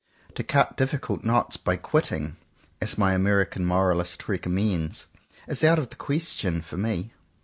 To cut difficult knots by "quitting," as my American moralist recommends, is out of the question for me.